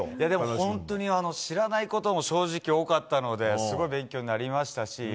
本当に知らないことも正直、多かったのですごく勉強になりましたし。